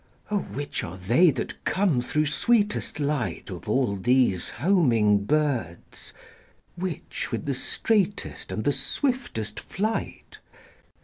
O which are they that come through sweetest light Of all these homing birds? Which with the straightest and the swiftest flight?